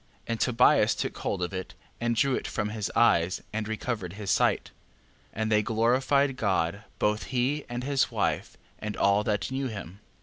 And Tobias took hold of it, and drew it from his eyes, and recovered his sight. 11:16. And they glorified God, both he and his wife and all that knew him. 11:17.